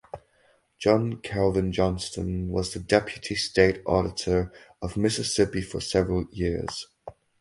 John Calvin Johnston was the deputy state auditor of Mississippi for several years.